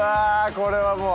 これはもう。